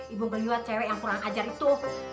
ibu melihat cewek yang kurang ajar itu